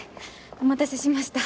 お待たせしました。